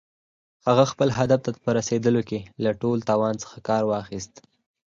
هغه خپل هدف ته په رسېدلو کې له ټول توان څخه کار واخيست.